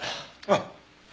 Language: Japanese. あっ。